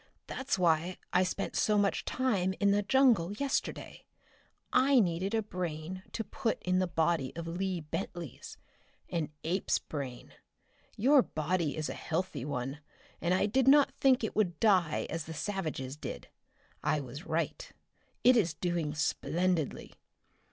That's why I spent so much time in the jungle yesterday. I needed a brain to put in the body of Lee Bentley's an ape's brain. Your body is a healthy one and I did not think it would die as the savage's did. I was right. It is doing splendidly.